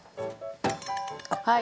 はい。